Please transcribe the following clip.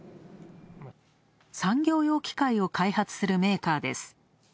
産業用機械を開発するメーカーです。